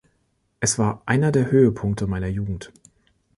Es war einer der Höhepunkte meiner Jugend.